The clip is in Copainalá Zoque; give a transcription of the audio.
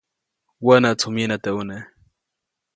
Wänätsu myinä teʼ ʼune.